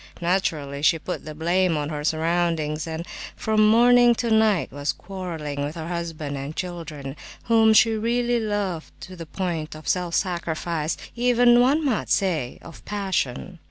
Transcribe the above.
Naturally, she put the blame on her surroundings, and from morning to night was quarrelling with her husband and children, whom she really loved to the point of self sacrifice, even, one might say, of passion.